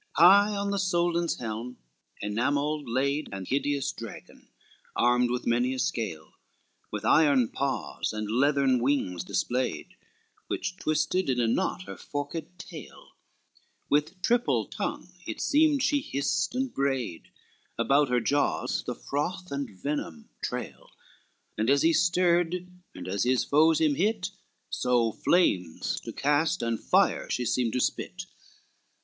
XXV High on the Soldan's helm enamelled laid An hideous dragon, armed with many a scale, With iron paws, and leathern wings displayed, Which twisted on a knot her forked tail, With triple tongue it seemed she hissed and brayed, About her jaws the froth and venom trail, And as he stirred, and as his foes him hit, So flames to cast and fire she seemed to spit.